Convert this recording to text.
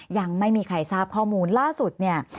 ยังไม่มีใครทราบข้อมูลล่าสุดเนี่ย